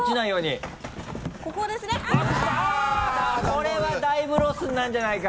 これはだいぶロスになるんじゃないか？